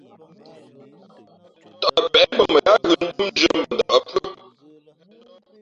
Tαʼ peʼe mbᾱ mα yáá ghʉ̌ ndómndʉ̄ᾱ mbα ndα̌ʼ pʉ́ά.